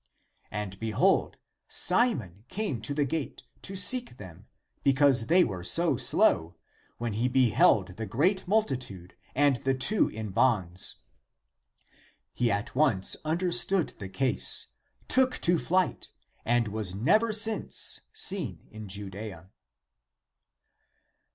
And behold, Simon came to the gate to seek them, because tliey were so slow, when he beheld tlie great multitude and the two in bonds. He at once understood the case, took to flight, and was never ACTS OF PETER 87 since seen in Judea.